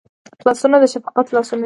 لاسونه د شفقت لاسونه دي